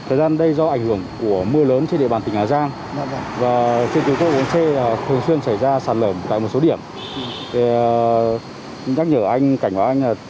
em thấy rất là tốt